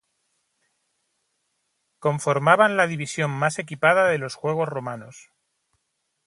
Conformaban la división más equipada de los juegos romanos.